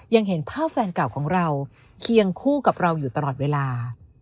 ยังเห็นภาพแฟนเก่าของเราเคียงคู่กับเราอยู่ตลอดเวลา